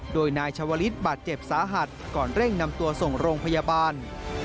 โดยนายชาวลิศบาดเจ็บสาหัสก่อนเร่งนำตัวส่งโรงพยาบาล